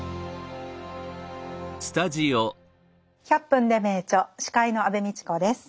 「１００分ｄｅ名著」司会の安部みちこです。